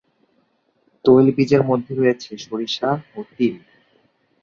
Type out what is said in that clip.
তৈল বীজের মধ্যে রয়েছে সরিষা ও তিল।